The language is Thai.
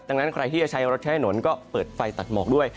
ดังนั้นใครที่จะใช้รถใช้ถนนก็เปิดไฟตัดหมอกด้วย